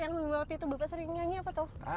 yang membuat tubuh pak sering nyanyi apa tuh judulnya